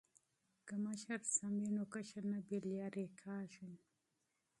که مشر وي نو کشر نه بې لارې کیږي.